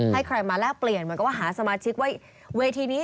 ให้ใครมาแลกเปลี่ยนเหมือนกับว่าหาสมาชิกว่าเวทีนี้